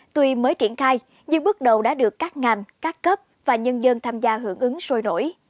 tuy mới triển khai nhưng bước đầu đã được các ngành các cấp và nhân dân tham gia hưởng ứng sôi nổi